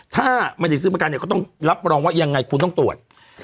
ถ้าไม่ได้ซื้อประกันเนี่ยก็ต้องรับรองว่ายังไงคุณต้องตรวจ